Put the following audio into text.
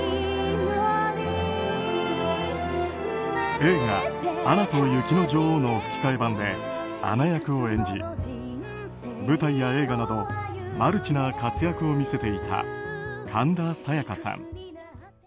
映画「アナと雪の女王」の吹き替え版でアナ役を演じ舞台や映画などマルチな活躍を見せていた神田沙也加さん。